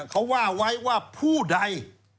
เขาว่าไว้ว่าผู้ใด